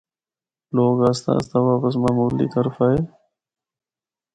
لوگ آستہ آستہ واپس معمول دی طرف آئے۔